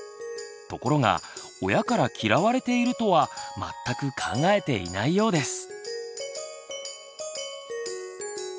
ところが親から嫌われているとは全く考えていないようです。